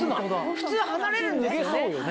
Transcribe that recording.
普通離れるんですよね。